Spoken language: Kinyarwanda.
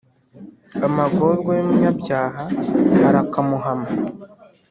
amagorwa y’umunyabyaha arakamuhama.